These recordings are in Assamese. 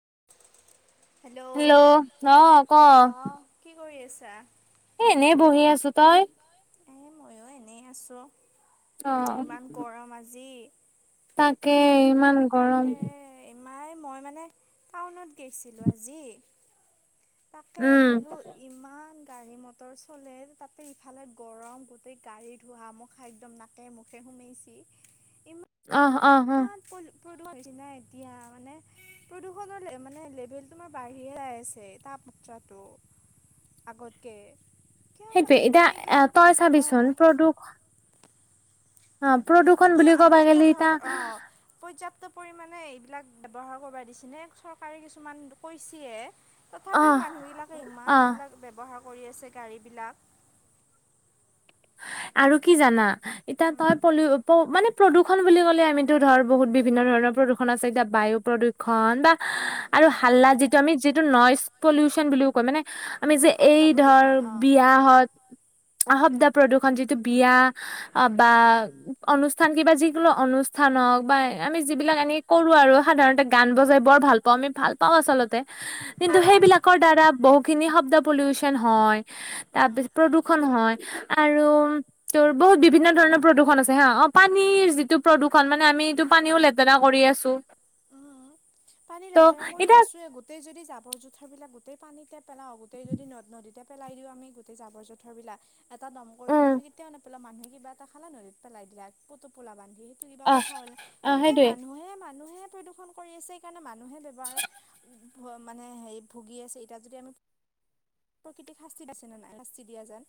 [inaudible] হেল্ল' অ' কওঁ। কি কৰি আছা? এ' এনেই বহি আছো, তই? এনেই আছো ইমান গৰম আজি তাকে ইমান গৰম মাই মই মানে টাউনত গৈছিলো আজি তাকে বোলো ইমান গাড়ী মটৰ চলে তাতে ইফালে গৰম গোটেই গাড়ীত ধুৱা মখা একদম নাকে মুখে সোমাইছেি অহা প্ৰদূষ নিচিনা এতিয়া মানে প্ৰদূষণৰ মানে লেভেলটো আমাৰ বাঢ়িয়ে আছে ত মাত্ৰাটো আগতকে সেইটোৱে এতিয়া এ তই চাবিচোন প্ৰদূষ অ', প্ৰদূষণ বুলি ক'ব গেলি ইতা পৰিমামানে এইবিলাক ব্যৱহাৰ কৰিব দিছেনে চৰকাৰে কিছুমান কৈছিয়ে। তথাপিও মানুহ গিলাকে ইমান এইবিলাক ব্যৱহাৰ কৰি আছে গাড়ীবিলাক। আৰু কি জানা ইতা তই প মানে প্ৰদূষণ বুলি ক'লে আমিতো ধৰ বহুত বিভিন্ন বহু ধৰণৰ প্ৰদূষণ আছে এতিয়া বায়ু প্ৰদূষণ, বা আৰু হাল্লা যিটো আমি যিটো ন'য়জ পলিউশ্যন বুলিও কয় মানে আমি যে ধৰ এই বিয়াহ'ত শব্দ প্ৰদূষণ খন যিটো বিয়া বা অনুষ্ঠান কিবা যিকোনো অনুষ্ঠান হওঁক বা আমি যিবিলাক এনে কৰোঁ আৰু সাধাৰণতে গান বজাই বৰ ভাল পাওঁ আমি ভাল পাওঁ আচলতে কিন্তু সেইবিলাক শব্দৰ দ্বাৰা বহুখিনি শব্দ পলিউশ্যন হয়, তাৰ পিছ প্ৰদূষণ হয় আৰু তোৰ বহুত বিভিন্ন ধৰণৰ প্ৰদূষণ আছে হা, অ', পানীৰ যিটো প্ৰদূ খ মানে আমি এইটো পানীও লেতেৰা কৰি আছোঁ। পানী লতেৰা কৰি আছোঁ গোটেই যদি জাবৰ জোথৰ বিলাক গোটেই পানীতে পেলাওঁ গোটেই যদি নদ নদীতে পেলাই দিওঁ আমি গোটেই জাবৰ জোঁথৰ বিলাক এটা দম কৰিটো আমি কেতিয়াও নেপেলাও মানুহে কিবা এটা খালা নদীত পেলাই দিলে পুতটোপোলা বান্ধি কথা হ'ল সেনকে মানুহে মে মানুহে প্ৰদূষণ কৰি আছে সেই কাৰণে মানুহে ব্যৱহাৰৰ মানে হেৰি ভুগি আছে এতিয়া যদি আমি প্ৰকৃতিক শাস্তি দিছে ন নাই শাস্তি দিয়া যান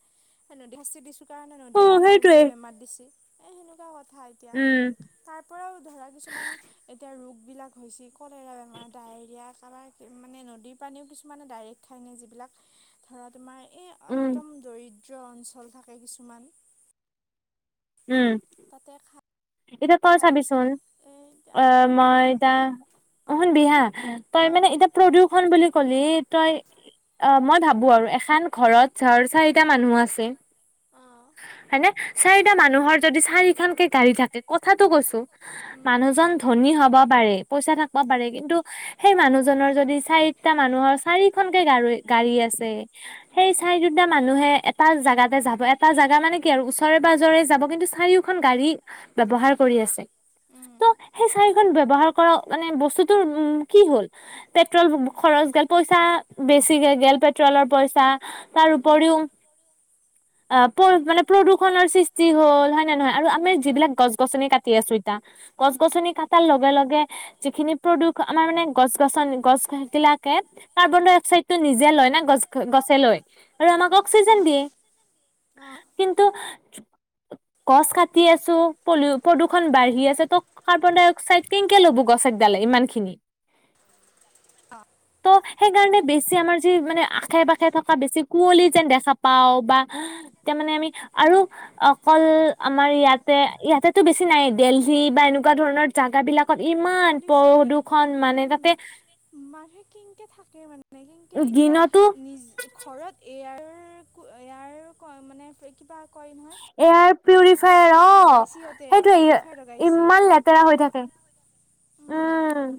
ন শাস্তি দিছোঁ কাৰণে নদীয়েও আমাৰ উল্টেই বেমাৰ দিছে এ সেনেকুৱা কথা এতিয়া। তাৰ পৰাও ধৰা কিছুমান এতিয়া ৰোগবিলাক হৈছে কলেৰা, বেমাৰ ডায়েৰিয়া কাৰোবাৰ মানে নদীৰ পানীও কিছুমানে ডাইৰেক্ট খাই নে যিবিলাক ধৰা তোমাৰ এই একদম দৰিদ্ৰ অঞ্চল থাকে কিছুমান তাতে খাই। এতিয়া তই চাবিচোন আহ মই এতিয়া অ শুন বিহা তই মানে এতিয়া প্ৰদূষন বুলি কলি তই অ মই ভাবো আৰু এখন ঘৰত ৰ চাৰিটা মানুহ আছে হয়নে? চাৰিটা মানুহৰ যদি চাৰিখনকে গাড়ী থাকে কথাাতটো কৈছো মানুহজন ধনী হব পাৰে পইচা থাক পাৰে কিন্তু সেই মানুহজনৰ যদি চাৰিটা মানুহৰ চাৰিখনকে গাড় গাড়ী আছে। সেই চাই দুটা মানুহে এটা জোগাতে যাব এটা জোগা মানে কি আৰু ওচৰে পাজৰে যাব কিন্তু চাৰিওখন গাড়ী ব্যৱহাৰ কৰি আছে। ত' সেই চাৰিখন ব্যৱহাৰ কৰা মানে বস্তুতৰ উ কি হ'ল পেট্ৰল খৰচ গেল পইচা বেছিকে গেল পেট্ৰলৰ পইচা তাৰ উপৰিও ব [unintelligible] অ' মানে প্ৰদূষণৰ সৃষ্টি হ'ল হয়ে নে নহয়? [unintelligible] মে গছ গ কাৰ্বন ডাই অকাইটো নিজে ল ন গ গ [inaudible] আৰু আমাক অক্সিজেন দিয়ে। ি [unintelligible] কিন্তু গছ কাটি আছো প্ৰদূষণ বাঢ়ি আছে ত কাৰ্বন ডাই অক্সাইড কেনেকে ল'ব গছ এক দালে ইমান খিনি। অঁ। সেইকাৰণে বেছি আমাৰ যি মানে আশে পাশে থকা বেছি কুঁৱলী যেন দেখা পাও বা এতিয়া মানে আমি আৰু অ' অকল আমাৰ ইয়াতে ইয়াতেতো বেছি নাই দেলহি বা এনেকুৱা ধৰণৰ জাগা বিলাক কিমান প্ৰদূষণ মানে তাতে মানুহে কেংকে থাকে মানে? কেংকে এতিয়া নিজ ঘৰত [unintelligible] ইয়াৰ [unintelligible] মানে কিবা [inaudible] পিউৰিফায়াৰ অ', সেইটো ইমান লেতেৰা হৈ থাকে। উম,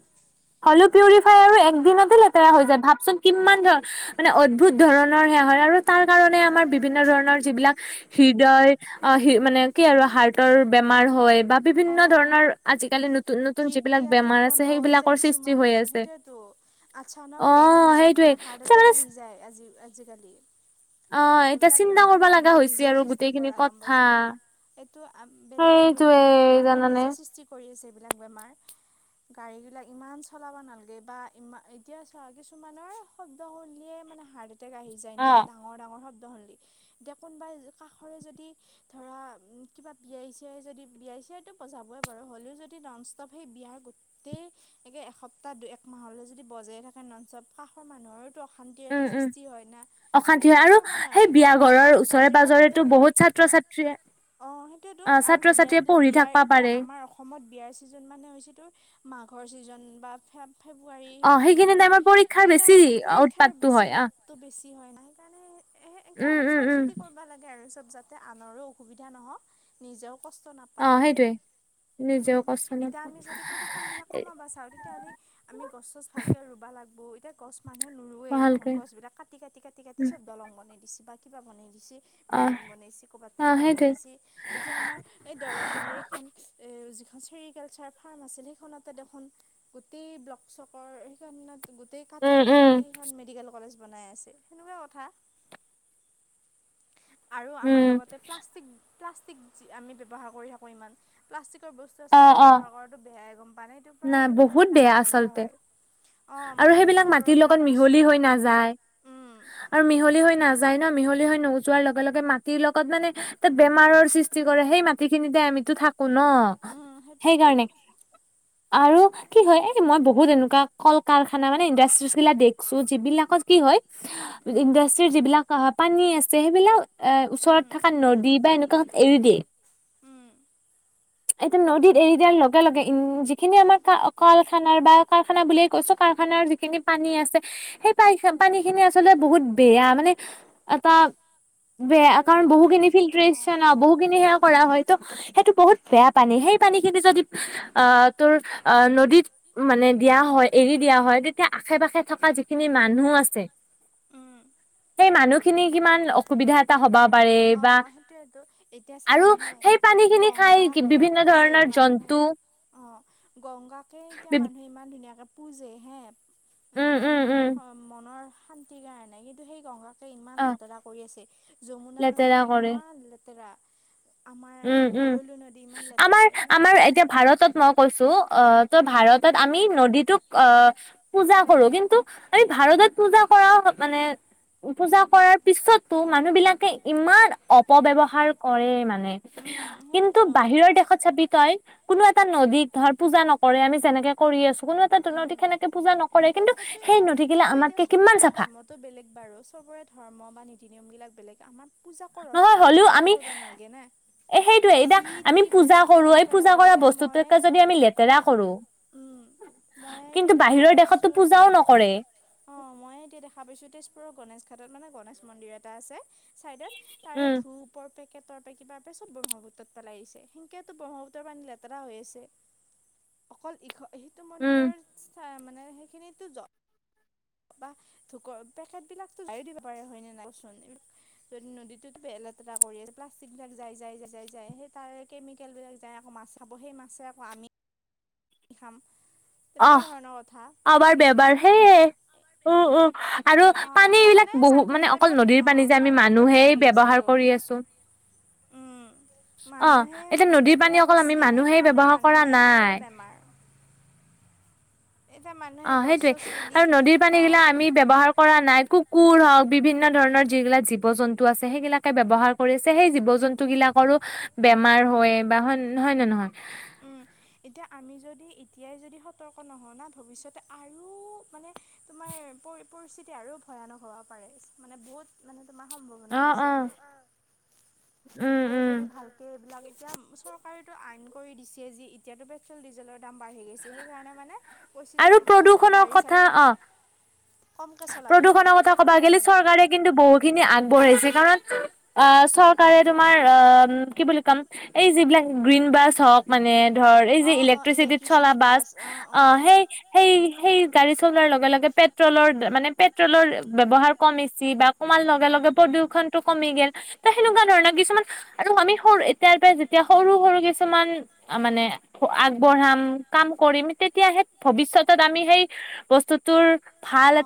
হ'লেও পিউৰিফাই আৰু একদিনতে লেতেৰা হৈ যা ভাবচোন কিমান ধৰ মানে অদ্ভুত ধৰণৰ সেয়া হয়, আৰু তাৰকাৰণে আমাৰ বিভিন্ন ধৰণৰ যিবিলাক হৃদয় অ', মানে কি আৰু হাৰ্টৰ বেমাৰ হয়। বা বিভিন্ন ধৰণৰ আজিকালি নতুন হৃদক্ৰিয়াটো বন্ধ হৈ যায় কিছুমানৰ, সেইটোয়েতো আচানক হেৰি আহি যায় তোমা হাৰ্টএটেক আহি যায় আজি-আজিকালি। অ', এতিয়া চিন্তা কৰবা লাগা হৈছে আৰু গোটেইখিনি কথা। এইটো আ [unintelligible] বেলেগক দোষ দিলে মানুহে নিজে সৃষ্টি কৰি আছে এইবিলাক বেমাৰ। গাড়ী বিলাক ইমান চলাবা নালগে বা ইমান এতিয়া চা কিছুমানৰ শব্দ শুনিয়ে মানে হাৰ্ট এটেক আহি যায় নে ডাঙৰ- ডাঙৰ শব [unintelligible] এতিয়া কোনোবাই কাষৰে যদি ধৰা কিবা বিয়া চিয়ায় যদি বিয় এটিয়াটো বজাবই বাৰু হ'লেও যদি ননস্তপ সেই বিয়াৰ গোটেই একে এসপ্তাহ এক মাহৰ যদি বজায়ে থাকে ননস্টপ কাষৰ মানুহৰোতো অশান্তিৰ এটা সৃষ্টি হয় না এইবিলাক সেই বিয়া ঘৰৰ ওচৰে পাজৰেতো বহুত ছাত্ৰ ছাত্ৰীয়ে অ' সেইটোয়েতো আৰু বিয়া বিলাক বিয়াৰ এতিয়া আমাৰ অসমত বিয়াৰ চিজন মানে হৈছে তোৰ মা [unintelligible] চিজন। বা ফেব ফেব্ৰুৱাৰী যিখিনি টাইমত হয় সেইখিনি টাইমত খুব পৰীক্ষাৰ বেছি [unintelligible] হয় না সেইকাৰণে একে অলপ চাই চিতি কৰবা লাগে আৰু চব যাতে আনৰো অসুবিধা নহওক নিজেও কষ্ট নাপাওঁক। [unintelligible] উম, এতিয়া আমি যদি প্ৰদূষণ গিলাক কমাবা চাওঁ তেতিয়াহ'লে আমি গছ চছ ভালকে ৰুবা লাগব। এ গছ মানুহে নোৰুৱে দেখোন গছ বিলাক কাটি কাটি-কাটি- কাটি চব দলং বনাই দিছে বা কিবা বনাই [unintelligible] বিল্ডিং বনাইছে কৰ'বাত কিবা বনাইছে এতিয়া আমাৰ এই দৰঙৰে এইখন এ যি চেৰিকালচাৰ ফাৰ্ম আছিল সেইখনতে দেখোন গোটেই ব্লক চ্কৰ সেইখনত গোটেই কাটি কাটি- কাটি সেইখন মেডিকেল কলেজ বনাই আছে সেনেকুৱা কথা। আৰু আমাৰ লগতে প্লাষ্টিক-প্লাষ্টিক আমি ব্যৱহাৰ কৰি থাকো ইমান প্লাষ্টিক [unintelligible] বস্তু আচলতে ব্যৱহাৰ কৰাটো বেয়াই গম পায়নে এইটো পৰা বোলে কিবা ডাঙৰ বেমাৰ হয়। আৰু সেইবিলাক মাটিৰ লগত মিহলি হৈ নাযায়। আৰু মিহলি হৈ নাযায় ন মিহলি হৈ ন যোৱাৰ লগে-লগে মাটিৰ লগত মানে তাত বেমাৰৰ সৃষ্টি কৰে সেই মাটি খিনিতে আমিতো থাক কো ন সেইকাৰণে। আৰু কি হয় এই মই বহুত এনেকুৱা কল কাৰখানা মানে ইণ্ডাষ্ট্ৰিজ গিলা দেখছো যিবিলাকত কি হয় ইণ্ডাষ্ট্ৰীৰ যিবিলাক পানী আছে সেইবিলাক এ ওচৰত থাকা নদী এনেকুৱা এৰি দিয়ে। উম। এতিয়া নদীত এৰি দিয়াৰ লগে-লগে উম যিখিনি আমাৰ ক কলখানাৰ বা কাৰখানা বুলিয়ে কৈছো কাৰখানাৰ যিখিনি পানী আছে সেই পাই পানী খিনি আচলতে বহুত বেয়া মানে এটা বেয়া কাৰণ বহুখিনি ফিল্টাৰেচন বহুখিনি সেয়া কৰা হয় ত' সেইটো বহুত সেয়া পানী সেই পানী খিনি যদি অ তোৰ অ নদীত মানে দিয়া হয় এৰি দিয়া হয় তেতিয়া আশে পাশে থকা যিখিনি মানুহ আছে। উম। সেই মানুহখিনি কিমান অসুবিধা এটা হ'বা পাৰে বা আৰু সেই পানী খিনি খাই বিভিন্ন ধৰণৰ জন্তু অ', গংগাকে এতিয়া মানুহে ইমান ধুনীয়াকে পুজে হে। একদম মানে মনৰ শা শান্তিৰ কাৰণে কিন্তু সেই [unintelligible] ইমান লেতেৰা কৰি আছে যমুনা নদীতো ইমান লেতেৰা। উম- উম, আমাৰ-আমাৰ এতিয়া ভাৰতত মই কৈছো অ [unintelligible] ভাৰতত আমি নদীটোক অ' পূজা কৰো কিন্তু আমি ভাৰতত পূজা কৰা মানে পূজা কৰাৰ পিছতো মানুহ বিলাকে ইমান অপব্যৱহাৰ কৰে মানে। উম। কিন্তু বাহিৰৰ দেশত চাবি তই কোনো এটা নদীক ধৰ পূজা নকৰে আমি যেনেকে কৰি আছো কোনো টা নদী সেনেকে পূজা নকৰে কিন্তু সেই নদী গিলা আমাতকে কিমান চাফা। ধৰ্ম বা নীতি নিয়মবিলাক বেলেগ, আমাৰ পূজা কৰক কিন্তু লেতেৰা কৰিবা নালাগে নে। এতিয়া আমি পূজা কৰোঁ, এই পূজা কৰা বস্তুটোকে যদি আমি লেতেৰা কৰোঁ কিন্তু বাহিৰৰ দেশতো পূজাও নকৰে। অ', ময়ে এতিয়া দেখা পাইছোঁ তেজপুৰৰ গণেশ ঘাটত মানে গণেশ মন্দিৰ এটা আছে চাইদত তাৰে ধূপৰ পেকে [unintelligible] চব ব্ৰহ্মপু পেলাইছে সেংকেটো ব্ৰহ্মপুত্ৰৰ পানী লেতেৰা হৈ আছে, অকল ইখ সিটো মন্দিৰৰ [unintelligible] মানে সেইখিনিতো জ বা ধুকৰ পেকেটবিলাকো [inaudible] দিব পাৰে হয়নে নাই কচোন? যদি নদীতোতো বে-লেতেৰা কৰি আছে প্লাষ্টিক বিলাক যায়-যায়-যায়-যায়-যায় সেই তাৰে কেমিকেলবিলাক যায় আকৌ মাছ খাব, সেই মাছেই আকৌ আমি খাম। অহ, আমাৰ বেমাৰ সেয়ে উ, উ, আৰু পানীবিলাক বহু মানে অকল নদীৰ পানী যে, আমি মানুহেই ব্যৱহাৰ কৰি কৰি আছো উম অ এতিয়া নদীৰ পানী অকল আমি মানুহে ব্যৱহাৰ কৰা নাই। অ সেইটয়ে আৰু নদীৰ পানী গিলা আমি ব্য্ৱহাৰ কৰা নাই কুকুৰ অ বিভিন্ন ধৰণৰ যিগিলাক জীৱ জন্তু আছে সেইগিলাকে ব্যৱহাৰ কৰি আছে সেই জীৱ জন্তু বিলাকৰো বেমাৰ হয়ে বা হয় হয় নে নহয় উম এতিয়া আমি যদি এতিয়াই যদি সতৰ্ক নহওঁ না ভৱিষ্যতে আৰু মানে তোমাৰ পৰি পৰিস্থিতি আৰু ভয়ানক হ'ব পাৰে মানে বহুত মানে তোমাৰ সম্ভাৱনা আছে আৰু এতিয়াই যদি ভালকে এইবিলাক [unintelligible] চৰকাৰেতো আইন কৰি দিছে যে এতিয়াতো পেট্ৰল ডিজেলৰ দাম বাঢ়ি গেছে সেইকাৰণে মানে আৰু প্ৰদূষণৰ কথা অ' প্ৰদূষণৰ কথা ক'বা গেলি চৰকাৰে কিন্তু বহুখিনি আগবঢ়েছি কাৰণ অ' চৰকাৰে তোমাৰ অ' ম কি বুলি কম এই যিবিলাক গ্ৰীণ বাছ হওঁক মানে ধৰ এই যি ইলেক্ট্ৰিচিটিত চলা বাছ অ' সেই সেই সেই গাড়ী চলোৱাৰ লগে লগে পেট্ৰ'লৰ মানে পেট্ৰ'লৰ ব্যৱহাৰ কমিছি বা কমাৰ লগে লগে প্ৰদূষণ টো কমি গেল ত সেনেকুৱা ধৰণৰ কিছুমান আৰু আমি সৰু এতিয়াৰ পৰা যেতিয়া সৰু সৰু [inaudible] কিছুমান মানে আগবঢ়াম কাম কৰিম তেতিয়া সেই ভৱিষ্যতত আমি সেই বস্তুটোৰ ভাল অ এট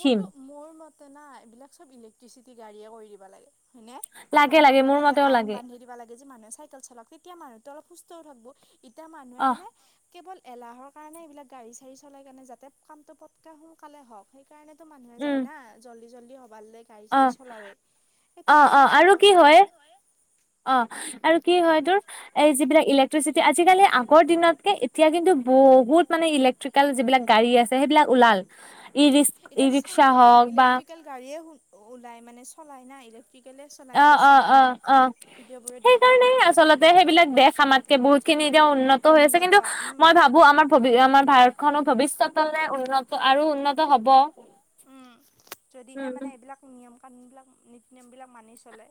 মোৰতো মোৰ মতে না এইবিলাক চব ইলেক্ট্ৰিচিটি গাড়ীয়ে কৰি দিবা লাগে হয়নে আৰু মানুহক মানে আইন বান্ধি দিবা লাগে যে মানুহে চাইকেল চলক তেতিয়া মানুহটো অলপ সুস্থও থাকিব। ইতিয়া মানুহে মানে কেৱল [inaudible] এলাহৰ কাৰণে এইবিলাক গাড়ী চাৰি চলাই কেনে যাতে কামটো পটকে সোনকালে হওক [inaudible] সেইকাৰণেতো মানুহে যায় না জল্দি জল্দি সভালৈ গাড়ী চাড়ী সব চলাৱে এই ঠিক তেনেকুৱা কথা ইতা অ' আৰু কি হয় তোৰ এই যিবিলাক ইলেক ইলেট্ৰিচিটি আজিকালি আগৰ দিনতকে এতিয়া কিন্তু বহুত মানে ইলেক্ট্ৰিকেল যিবিলাক গাড়ী আছে সেইবিলাক ওলাল ইৰিক ৰিক্সা হওক বা ওলাই মানে চলাই নাই অ অ অ অ সেইকাৰণেই আচলতে সেইবিলাক দেশ আমাতকে বহুত খিনি এতিয়া উন্নত হৈ আছে কিন্তু মই ভাবো আমাৰ ভবি আমাৰ ভাৰত খনৰ ভৱিষ্যতলৈ উন্নত আৰু উন্নত হ'ব উম যদিহে মানে এইবিলাক নিয়ম কানুন বিলাক নীতি নিয়ম বিলাক মানি চলে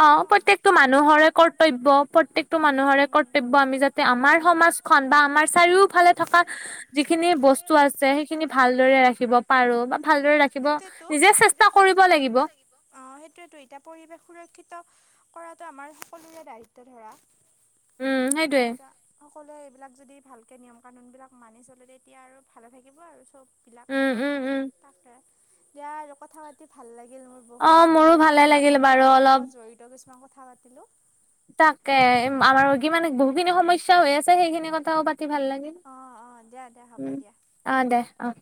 অ প্ৰত্যেকটো মানুহৰে কৰ্তব্য প্ৰত্যয়েটো মানুহৰে কৰ্তব্য আমি যাতে আমাৰ স সমাজখন বা আমাৰ চাৰিওফালে থকা যিখিনি বস্তু আছে সেইখিনি ভালদৰে ৰাখিব পাৰো সেইটোতো, নিজে চেষ্টা কৰিব লাগিব, অহ সেইটোৱে টো এতিয়া পৰিৱেশ সুৰক্ষিত কৰাটো আমাৰ সকলোৰে দায়িত্ব ধৰা দা [inaudible] সকলোৱে এইবিলাক যদি ভালকৈ নিয়ম কানুনবিলাক মানি চলে তেতিয়া আৰু ভালে থাকিব আৰু চব উম, উম, উম দিয়া আৰু কথা পাতি ভাল লাগিল মোৰ বহুত যিহেতু আমাৰ পৰিবেশৰ লগত জড়িত কিছুমান ক কথা পাতিলো তাকে আমাৰ কি মানে বহুখিনি সমস্যা হৈ আছে সেইখিনি কথাও পা ভাল লাগে ন উম, আহ দে আহ